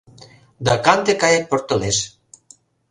Да канде кайык пöртылеш.